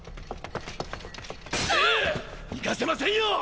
行かせませんよ！